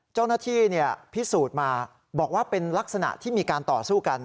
เจ้าหน้าที่พิสูจน์มาบอกว่าเป็นลักษณะที่มีการต่อสู้กัน